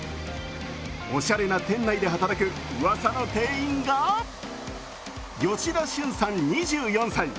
おしゃれな店内で働くうわさの店員が吉田駿さん２４歳。